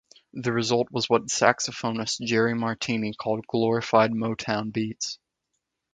The result was what saxophonist Jerry Martini called glorified Motown beats.